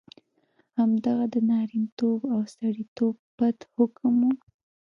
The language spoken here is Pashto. همدغه د نارینتوب او سړیتوب پت حکم وو.